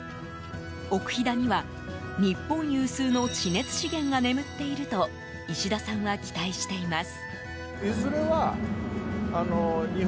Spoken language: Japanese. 奥飛騨には日本有数の地熱資源が眠っていると石田さんは期待しています。